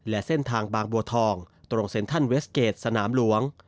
และเส้นทางบางบัวทองตรงเซ็นทรัลเวสเกจสนามหลวง